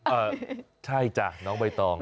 เออใช่จ้ะน้องใบตอง